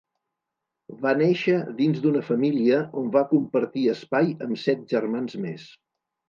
Va néixer dins d'una família on va compartir espai amb set germans més.